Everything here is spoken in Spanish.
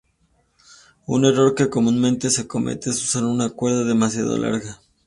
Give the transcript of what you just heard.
Un error que comúnmente se comete es usar una cuerda demasiado larga.